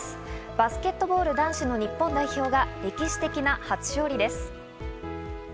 バスケットボール男子の日本代表が歴史的な初勝利です。